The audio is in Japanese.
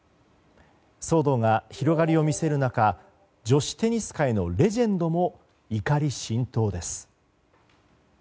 騒動が広がりを見せる中女子テニス界のレジェンドも怒り心頭です。